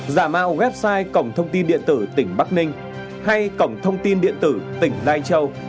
giả mạo website cổng thông tin điện tử tỉnh bắc ninh hay cổng thông tin điện tử tỉnh lai châu